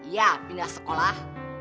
iya pindah sekolah